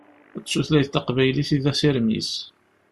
D tutlayt taqbaylit i d asirem-is.